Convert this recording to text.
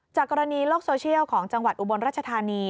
กรณีโลกโซเชียลของจังหวัดอุบลรัชธานี